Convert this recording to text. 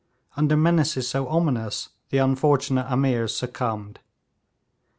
Under menaces so ominous the unfortunate Ameers succumbed.